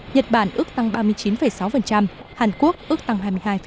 nhật bản ước tăng ba mươi chín sáu hàn quốc ước tăng hai mươi hai